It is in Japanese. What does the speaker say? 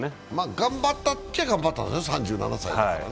頑張ったことは頑張ったんですね、３７歳でね。